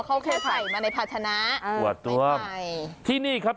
เขาเข้าใส่ไปในผัชนะไม้ไผ่